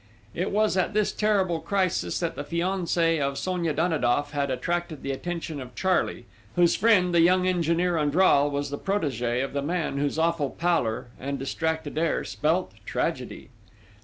It was at this terrible crisis that the fiancé of Sonia Danidoff had attracted the attention of Charley, whose friend, the young engineer Andral, was the protégé of the man whose awful pallor and distracted air spelt tragedy.